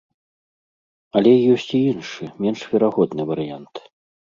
Але ёсць і іншы, менш верагодны варыянт.